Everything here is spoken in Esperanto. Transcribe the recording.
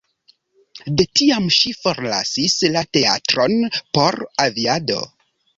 De tiam ŝi forlasis la teatron por aviado.